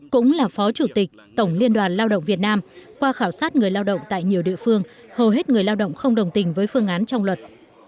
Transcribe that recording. cũng là phó chủ tịch tổng liên đoàn lao động việt nam qua khảo sát người lao động tại nhiều địa phương hầu hết người lao động không đồng tình với phương án trong luật